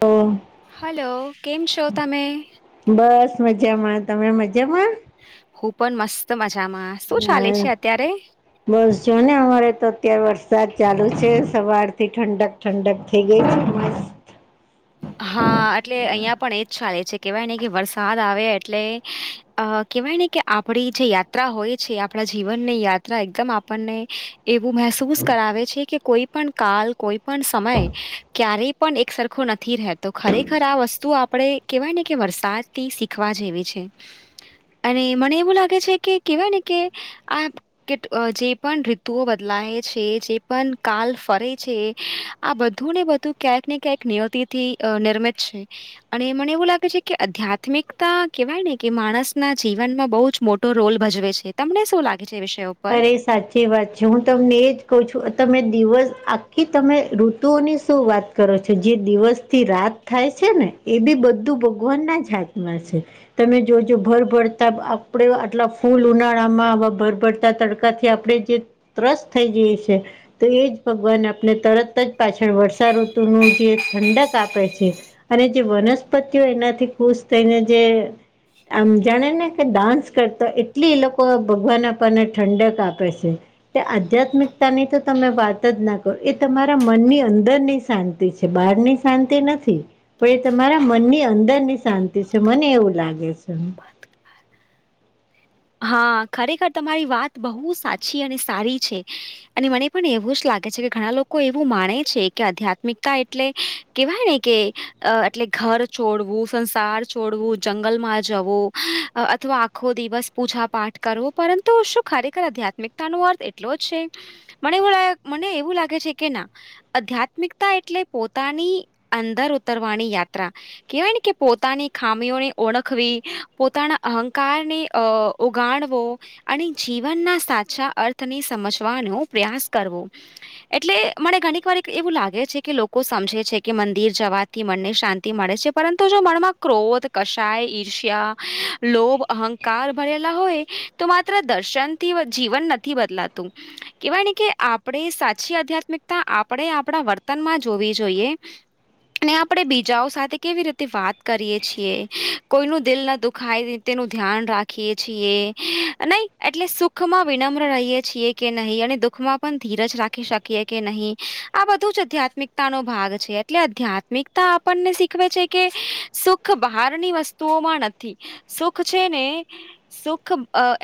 તો હલો કેમ છો તમે બસ મજામાં તમે મજામાં હું પણ મસ્ત મજામાં શું ચાલે હા છે અત્યારે બસ જો ને અમારે તો અત્યારે વરસાદ ચાલુ છે સવાર થી ઠંડક ઠંડક થઈ ગઈ હા એટલે અહિયાં પણ એજ ચાલે છે કેવાય નને કે વરસાદ આવે એટલે અ કહેવાય ને કે આપડી જે યાત્રા હોય છે આપણા જીવનની યાત્રા એકદમ આપણને એવું મહેસૂસ કરાવે છે કે કોઈ પણ કાલ કોઈ પણ સમય ક્યારેય પણ એક સરખો નથી રહેતો ખરેખર આ વસ્તુ આપણે કેહેવાય ને કે વરસાદથી શીખવા જેવી છે અને મને એવું લાગે છે કે કેવાય ને કે આ કે જે પણ ઋતુઓ બદલાય છે જે પણ કાલ ફરે છે આ બધું ને બધું ક્યાંક ને ક્યાંક નિયતિ થી નિર્મિત છે અને મને એવું લાગે છે કે આધ્યાત્મિકતા કેવાય ને કે માણસના જીવનમાં બહુ જ મોટ રોલ ભજવે છે તમને શું લાગે છે એ વિષયો અરે સાચી એ વાત છે હું તમને એ જ કહું છું તમે દિવસ આખી તમે ઋતુઓની શું વાત કરો છો જે દિવસથી રાત થાય છે ને એ બી બધું ભગવાનના જાાથમાં છે તમે જોજો ભરભરતા આપડ આટલા ફૂલ ઉનાળામાં આવા ભર ભરતા તડકા થી આપણે જે ત્રસ થઈ જઈ છે. તો એ જ ભગવાન આપણે તરત જ પાછળ વર્ષાઋતુનું જે ઠંડક આપે છે અને જે વનસ્પતિઓ એનાથી ખુશ થઈને જે. આમ જાણે ને કે ડાન્સ કરતા એટલી એ લોકો ભગવાન ને ઠંડક આપે છે તે આધ્યાત્મિકતા ની તો તમે વાત જ ના કરો એ તમારા મનની અંદરની શાંતિ છે બહાર ની શાંતિ નથી પણ એ તમારા મનની અંદર ની શાંતિ છે મને એવું લાગે છે. હા ખરેખર તમારી વાત બહુ સાચી અને સારી છે. અને મને પણ એવું જ લાગે છે કે ઘણા લોકો એવું માને છે કે આધ્યાત્મિકતા એટલે કેવાય ને કે એટલે ઘર છોડવું સંસાર છોડવું જંગલમાં જવું અથવા આખો દિવસ. પૂજા પાઠ કરવું પરંતુ શું ખરેખર આધ્યાત્મિકતાનો અર્થ એટલો જ છે. મને એવું મને એવું લાગે છે કે ના આધ્યાત્મિકતા એટલે પોતાની અંદર ઉતરવાની યાત્રા કહેવાય ને કે પોતાની ખામીઓને ઓળખવી પોતાના અહંકારને અ ઉગાણવો અને જીવનના સાચા અર્થને સમજવાનો પ્રયાસ કરવો એટલે મને ઘણીક વાર એવું લાગે છે કે લોકો સમજે છે કે મંદિર જવા થી મનને શાંતિ મળે છે પરંતુ જો મનમાં ક્રોધ કશાય ઈર્ષ્યા લોભ અહં કાર ભરેલા હોય તો માત્ર દર્શનથી જીવન નથી બદલાતું કેવાય નને કે આપણે સાચી આધ્યાત્મિકતા આપણે આપણા વર્તનમાં જોવી જોઈએ આપડે બીજાઓ સાથે કેવી રીતે વાત કરીએ છીએ કોઈ ન દિલ ના દુખાય તેનું ધ્યાન રાખી છી નહી એટલે સુખમાં વિનમ્ર રહીએ છીએ કે નહીં અને દુઃખમાં ધીરજ રાખી શકીએ કે નહી આ બધું જ આધ્યાત્મિકતા નો ભાગ છે. એટલે આધ્યાત્મિકતા આપણને શીખવે છે કે સુખ બહારની વસ્તુઓમાં નથી સુખ છે ને સુખ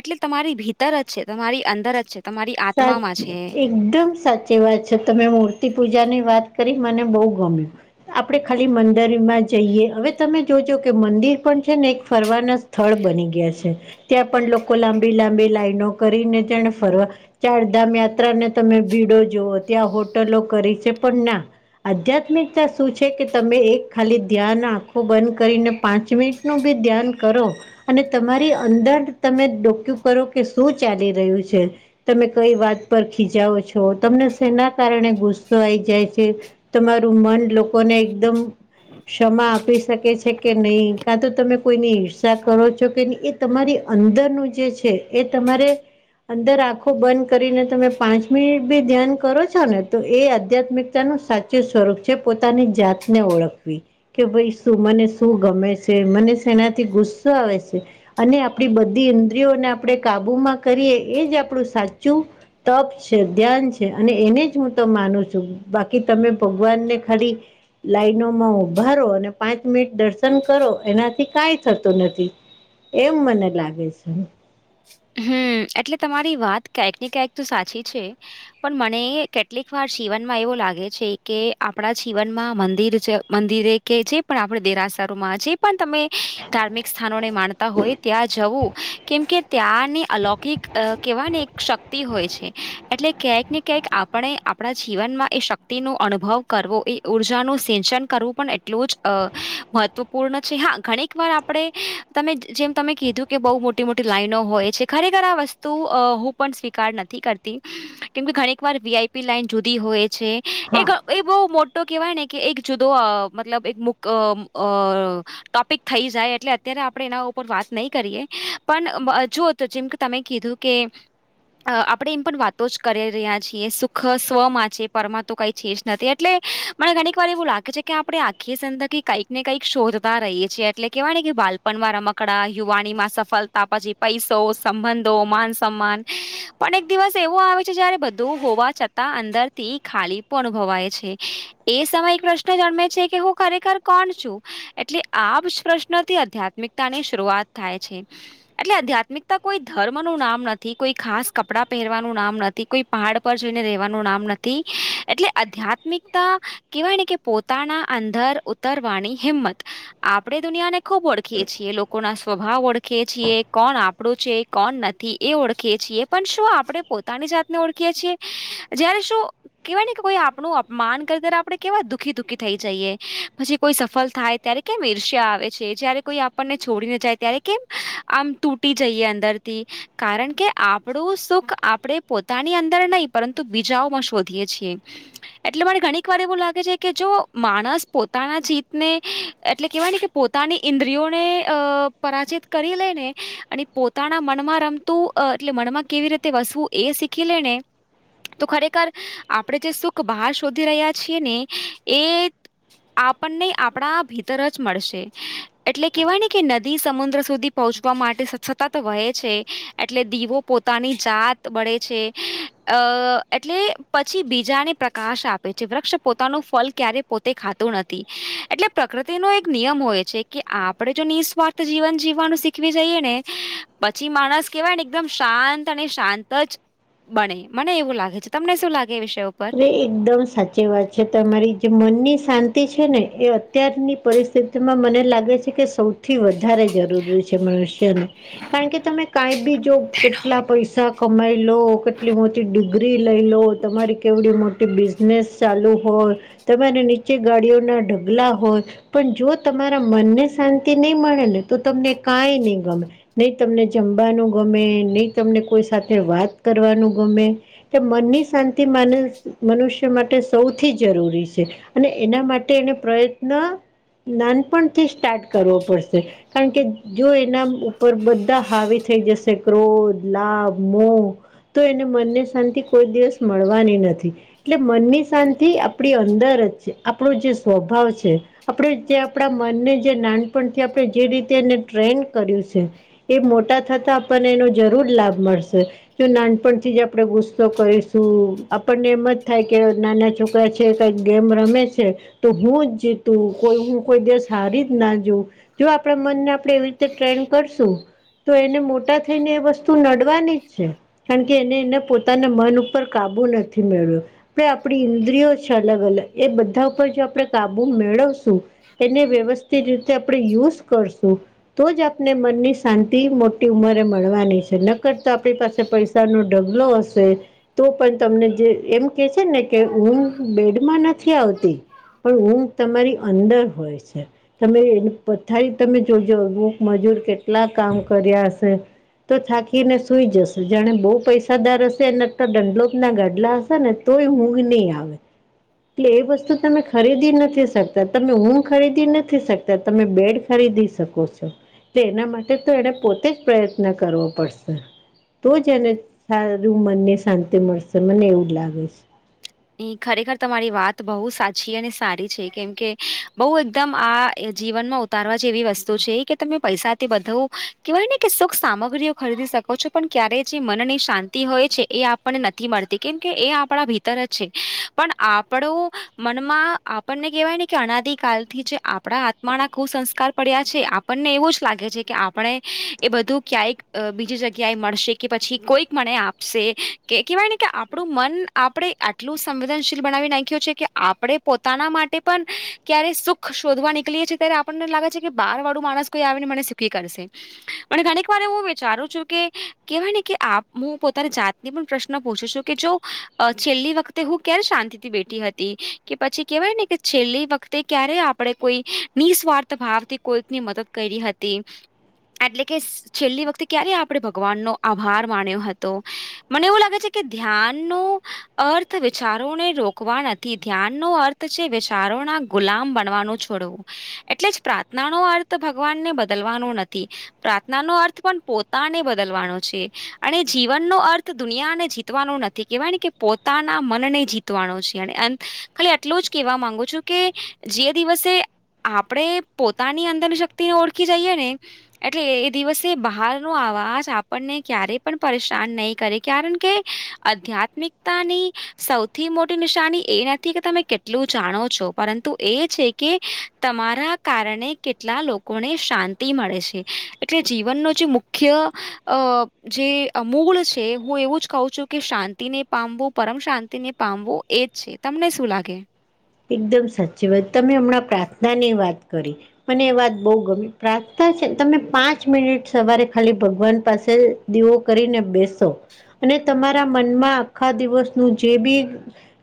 એટલે તમારી ભીતર જ છે તમારી અંદર જ છે. તમારી સાચ આત્મામાં છે એકદમ સાચ જેવા છ તમે મૂર્તિ પૂજાની વાત કરી મને બહુ ગમ્યું આપણે ખાલી મંદરમાં જઈએ હવે તમે જોજો કે મંદિર પણ છે ને એક ફરવાના સ્થળ બની ગયા છે ત્યાં પણ લોકો લાંબી લાંબી લાાઈનો કરીને તેને ફરવા ચારધામ યાત્રા ને તમે ભીડો જવ ત્યાં હોટલો કરી છે પણ ના આધ્યાત્મિકતા શું છે કે તમે એક ખાલી ધ્યાન આંખો બંધ કરીને પાંચ મિનિટ નું બી ધ્યાન કરો. અને તમારી અંદર તમે ડોકું કરો કે શું ચાલી રહ્યું છે. તમે કઈ વાત પર ખીજાવો છો તમને શેના કારણે ગુસ્સો આઈ જાય છે. તમારું મન લોકોને એકદમ ક્ષમા આપી શકે છે કે નહીિ કાં તો તમે કોઈની હિર્સાા કરો છો કે નહી તમારી અંદરનું જે છે એ તમારે અંદર રાખ બંધ કરીને તમે પાંચ મિનિટ બી ધ્યાન કરો છો ને તો એ આધ્યાત્મિકતા ન સાચું સ્વરૂપ છે પોતાની જાતને ઓળખવી કે ભાઈ શું મને શું ગમે છે મને શનાથી ગુસ્સો આવે છે. અને આપણી બધી ઇન્દ્રિયોને આપણે કાબુમાં કરીએ એજ આપણું સાચું તપ છે ધ્યાન છે અને એને જ હું તો માનું છું બાકી તમે ભગવાનને ખાલી લાઈનોમાં ઉભાારો અને પાંચ મિનિટ દર્શન કરો એનાથી કઈ થતું નથી એમ મને લાગે છે. હમ એટલે તમારી વાત કંક ને કંક તો સાચી છે. પણ મને કેટલીક વાર જીવનમાં એવું લાગે છે કે આપણા જીવનમાં મંદિર મંદિરે કે છે પણ આપડે દેરાસારોમાં છે. પણ તમે ધાર્મિક સ્થાનોને માણતા હોય, ત્યાં જવું કેમ કે ત્યાંને અલૌકિક કેવાય ને એક શક્તિ હોય છે, એટલે ક્યાંક ને ક્યાંક અ પણ આપણા જીવનમાં એ શક્તિ ન અનુભવ કરવો એ ઉર્જાનું સિંચન કરવું એ પણ એટલું જ મહત્વપૂર્ણ છે, હા ઘણીક વાર આપણે તમે જેમ તમે કીધું કે બહ મોટી મોટી લાઈનો હોય છે ખરેખર આ વસ્તુ હું પણ સ્વીકાર નથી કરતી કેમ કે ઘણીક વાર વીઆઈ પી લાઈન જુદી હોય છે, હા એક એ બહુ મોટો કેહેવાય ને કે એક જુદો મતલબ એક મુક અ અ અ ટોપિક થઈ જાય એટલે અત્યારે આપણેે એના ઉપર વાત નહી કરીએ, પણ જુઓ તો જેમ કે તમે કીધું કે અ આપણે એમ પણ વાતો જ કરી રહ્યા છીએ, સુખ સ્વમાં છે પરમા તો કઈ છે જ નથી એટલે મને ઘણીક વાર એવું લાગે છે, કે આપણે આખી સંંદકી કંઈક ને કંઈક શોધતા રહીએીએ એટલે કેવાય કે બા વારા મકડા યુવાણી માં સફળતા ત પછી પૈસો સંબંધો માન સમાન પણ એક દિવસ એવું આવે છે જયારે બધું હોવાતા અંદર થી ખાલી પણ અનુ ભવાય છે, એ સમય એક પ્રશ્ન જન્મે છે કે હું ખરેખર કોણ છું. એટલે આ પ્રશ્નથી આધ્યાત્મિકતાની શરૂઆત થાય છે. એટલે આધ્યાત્મિકતા કોઈ ધર્મ નું નામ નથી કોઈ ખાસ કપડા પહેરવાનું નામ નથી કોઈ પહાડ પર જોઈને રવાનું નામ નથી એટલે આધ્યાત્મિકતા કેવાય ને કે પો તાના અંદર ઉતરવાની હિંમત આપડે દુનિયા ને ખુબ ઓળખીએ છીએ, લોકો ના સ્વભાવ ઓળખીએ છીએ કોણ આપણું છે કોણ નથી એ ઓળખીએ છીએ પણ શું આપણે પોતાની જાતને ઓળખીએ છીએ? જયારે શું? કેવાય ન કે કોઈ આપણું અપમાન કરે ત્યારે આપડણે કેવા દુઃખી દુખી થઈ જઈએ પછી કોઈ સફળ થાય ત્યારે કેમ ઈર્ષ્યા આવે છે, જયારે કોઈ આપણને છોડીને જાય ત્યારે કેમ આમ ટૂટી જઈએ અંદરથી કારણ કે આપણું સુખ આપણે પોતાની અંદર નહી પરંતુ બીજાઓમાં શોધીએ છીએ, એટલે મને ઘણીક વાર એવું લાગે છે, કે જો માણસ પોતાના જીતને એટલે કેહેવાય ન કે પોતાની ઇન્દ્રિયોને અ પરાજિત કરી લેને અને પોતાના મનમાં રમતું એટલે મનમાં કેવી રીતે વસવું એ શીખી લે ને તો ખરેખર આપણેે જે સુખ બહાર શોધી રહ્યા છીએ, ને એ આપણને આપણા ભીતર જ મળશે એટલે કેહેવાય ને કે નદી સમુદ્ર સુધી પહોંચ આપવા માટે સતત વહે છે એટલે દીવો પોતાની જાત બળે છે, અ એટલે પછી બીજાને પ્રકાશ આપે છે વૃક્ષ પોતાનું ફલ ક્યારે પોતે ખા નથી એટલે પ્રકૃતિ નો એક નિયમ હોય છે, કે આપણે જો નિઃસ્વાર્થ જીવન જીવવાનું શવી જઈએ ને પછી માણસ કેહેવાય ને એકદમ શાંત અને શાંત જ બને મને એવું લાગે છે, તમને શું લાગે એ વિષય ઉપર એ એકદમ સાચી વાત છે, તમારી જે મનની શાંતિ છે ને એ અત્યારની પરિસ્થિતિ તેમાં મને લાગે છે કે સૌ થી વધારે જરૂરી છે, મનુષ્યને કારણ કે તમે કઈ બી જો કેટલા પૈસા કમાઈ લો કેટલી મોટી ડિગ્રી લઈ લો તમારી કેવડી મોટી બિઝનેસ ચાલુ હોય તમેરે નીચે ગાડીઓના ઢગલા હોય. પણ જો તમારા મનને શાંતિ નહી મળે ને તો તમને કાઈ નહીં ગમે, નહી તમને જમવાનું ગમે નહી તમને કોઈ સાથે વાત કરવાનું ગમે કે મનની શાંતિ માને મનુષ્ય માટે સૌથી જરૂરી છે. અને એના માટે એને પ્રયત્ન નાનપણથી સ્ટાર્ટ કરવો પડશે, કારણ કે જો એના ઉપર બધા હાવી થઈ જશે ક્રોધ લાભ મોહ તો એને મનને શાંતિ કોઈ દિવસ મળવાની નથી. એટલે મનની શાંતિ આપણી અંદર જ છે આપણો જે સ્વભાવ છે, આપણે જે આપણા મનને જે નાનપણથી આપણે જે રીતે એને ટ્રેન કર્યું છે. એ મોટા થતા આપણને એનો જરૂર લાભ મળશે. જો નાનપણથી જ આપડણે ગુસ્સો કરીશ શું આપણને એમ જ થાય કે નાના છોકરા છે કંઈક ગેમ રમે છે તો હું જ જીતું કોઈ હું કોઈ દસ સારી જ ના જોઉં જો આપણા મનને આપણે એવી રીતે ટ્રેન્ન કરશું તો એને મોટા થઈને એ વસ્તુ નડવાની જ છે કારણ કે એને એને પોતાના મન ઉપર પર કાબુ નથી મે્યો આપણે આપણી ઇન્દ્રિયો છે અલગ અલગ એ બધા ઉપર જો આપણે કાબુ મેળવશું એને વ્યવસ્થિત રીતે આપણે યુઝ કરશું તો જ આપને મનની શાંતિ મોટી ઉંમરે મળવાની છે નકર તો આપણી પાસે સું ડબલો હશેશે તો પણ તમને જે એમ કે છે ને કે હમ બેડમાં નથી આવતી પણ ઊંઘ તમારી અંદર હોય છે તમે એને પથારી તમે જોજો અમુક મજૂર કેટલા કામ કર્યા હશે તો થાકીને સુૂઈ જશે જાણે બહુ પૈસાદાર હશે એ દંડલોક ના ગઢલા હશે ને તો એ હું નહીં આવે એટલે એ વસ્તુ તમે ખરીદી નથી શકતા તમે ઊમ ખરીદી નથી શકતા તમે બેડ ખરીદી કો છો એના માટે તો એને પોતે જ પ્રયત્ન કરવો પડશે તો જ એને સારું મનને શાંતિ મળશે મને એવું લાગે છે ખરેખર તમારી વાત બહુ સાચી અને સારી છે કેમ કે બહુ એકદમ આ જીવનમાં ઉતારવા જે એવી વસ્તુ છે કે તમે પૈસાથી બધવું કેવાય ને કે સુખ સામગ્રીઓ ખરીદી શકો ઓો પણ ક્યારેય જે મનની શાંતિ હોય છે એ આપણને નથી મળતી કેમ કે એ આપણા છે પણ આપણું મનમાં આપણને કહેવાયને કે અનાદ કલ થી જે આપણા મા ના કુ સંસ્કાર પડ્યા છે આપણને એવું જ લાગે છે કે આપણે એ બધું ક્યાંય બીજી જગ્યાએ મળશે કે પછી કોઈક મને આપશે કે કહેવાય ને કે આપણું મન આપણે આટલું સંવેદનશીલ બનાવી નાખ્યું છે કે આપણે પોતાના માટે પણ ક્યારે સુખ શોધવા નીકળીએ છીએ ત્યારે આપણને લાગે છે કે બહાર વાળું માણસ કોઈ આવીને મને સકીખી કરશે પણ ઘણીક વાર એું વિચારું છું કે કેવાય ને કે આપ હું પોતાની જાતની પણ પ્રશ્ન પૂછું છું કે જોું છેલ્લી વખતે હું ક્યારે શાંતિ થી બેઠી હતી કે પછી કેવાય ને કે છેલ્લી વખતે ક્યારે આપણે કોઈ નિસ્વાર્થ ભાવથી કોઈકની મદદ કરી હતી એટલે કે છેલ્લી વખતે ક્યારે આપણે ભગવાન નો આભાર માણ્યો હતો મને એવું લાગે છે કે ધ્યાન ન અર્થ વિચારોને રોકવા નથી ધ્યાનનો અર્થ છે વિચારોના ગુલામ બનવાનું છોડવો એટલે જ પ્રાર્થના નો અર્થ ભગવાનને બદલવાનો નથી પ્રાર્થના નો અર્થ પણ પોતાને બદલવાનો છે અને જીવનનો અર્થ દુનિયાને જી નું નથી કેવાની કે પોતાના મનને જીતવાનો છે અને ખાલી આટલો જ કેહેવા માંગુ છું કે જે દિવસે આપણેે પોતાની અંદરની શક્તિ ને ઓળખી જઈએ ને એટલે એ દિવસે બહાર નો આવાજ આપણને ક્યારેય પણ પરેશાન નહી કરે કારણ કે આધ્યાત્મિક તાની સૌથી મોટી નિશાની એ નથી કે તમે કેટલું જાણો છો પરંતુ એ છે કે તમારા કારણે કેટલા લોકોને શાંતિ મળે છે કે એટલે જીવનનો જે મુખ્ય અ જે મૂળ છે હું એવું જ કહું છું કે શાંતિને પામવું પરમ શાંતિ ને પામવું એજ છે તમને શું લાગે એકદમ સાચી વાત તમે હમણાં પ્રાર્થના ની વાત કરી મને એ વાત બહુ ગમી પ્રાર્થના છેને તમે પાંચ મિનિટ સવારે ખાલી ભગવાન પાસે દીવો કરીને બેસો અને તમારા મનમાં આખા દિવસનું જે બી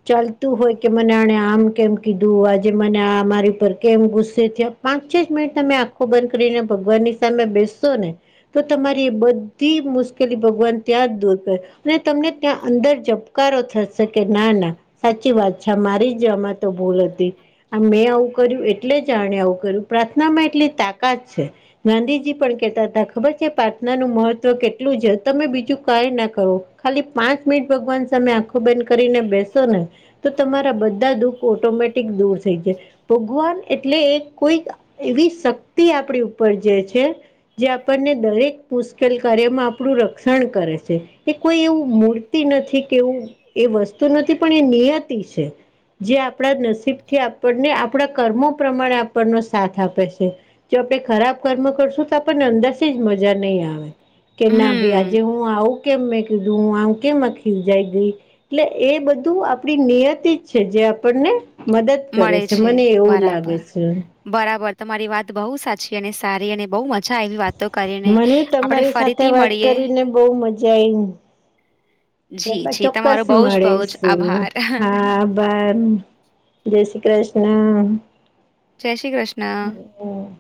ચાલતું હોય કે મને આણે આમ કેમ કીધું આજે મને મારી પર કેમ ગુસ્સે થ્યા પાંચ મિનિટ તમે આ ખો બંધ કરીને ભગવાન ની સામે બેસસો ને તો તમારી એ બધી મુશ્કેલી ભગવાન ત્યાં જ દૂર કર ને તમને ત્યાં અંદર જબકારો થશે કે ના ના સાચી વાત છે મારી જમત તો ભૂલ હતી. આ મેં આવું કર્યું એટલે જ આણે આવું કર્યું પ્રાર્થનામાં એટલી તાકાત છે. ગાંધીજી પણ કેતા હતા ખબર છે પ્રાર્થનાનું મહત્વ કેટલું છે તમે બીજું કઈ ના કરો ખાલી પાંચ મિનિટ ભગવાન સામે આંખો બંઘ કરીને બેસો ને તો તમારા બધા દુઃખ ઓટોમેટિક દૂર થઈ જાય. ભગવાન એટલે એ કોઈક એવી શક્તિ આપણી ઉપર જે છે જે આપણને દરેક મુશ્કેલ કાર્યમાં આપણું રક્ષણ કરે છે. એ કોઈ એવું મૂર્તિ નથી કે એવું એ વસ્તુ નથી પણ એ નિયતિ છે. જે આપણા નસીબ થી આપણને આપણા કર્મો પ્રમાણે આપણનો સાથ આપે છે. જો આપણે ખરાબ કર્મ કરશું તો આપણને અંદર જ મજા નહીં આવે. કે ના ભઈ હમ્મ આજે હું આવુ કેમ મેં કીધૂ હું આમ કેમ ખીજાઇ ધી. એટલે એ બધું આપડી નિયતે જ છે જે આપણને મદદ કરે મળે છે મને એવું બરાબર. લાગે છે. બરાબર તમારી વાત બહુ સાચી અને સારી અને બહુ મજા આવી વાતો કરીને. મને આપણે તમારી સાથે ફરીથી વાત મળીએ કરીને બહુ મજા આઈવી. જી આપડે જી ચોક્કસ તમારો બહુ જ બહુ જ મળીશું, આભાર હા. બામ જય શ્રી કૃષ્ણ. જય શ્રી કૃષ્ણ. હમ્મ.